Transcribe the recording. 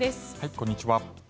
こんにちは。